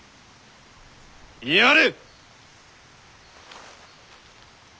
やれ！